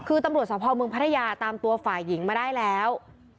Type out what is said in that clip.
คือตำรวจสภเมืองพัทยาตามตัวฝ่ายหญิงมาได้แล้ว